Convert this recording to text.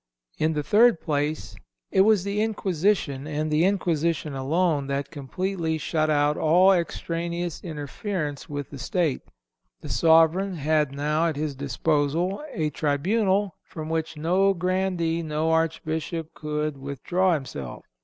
"In the third place, it was the Inquisition, and the Inquisition alone, that completely shut out all extraneous interference with the state. The sovereign had now at his disposal a tribunal from which no grandee, no Archbishop, could withdraw himself.